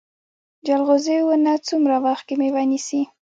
ځنغوزي ونه څومره وخت کې میوه نیسي؟